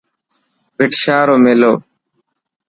ڀٽ شاهه رو ميلو.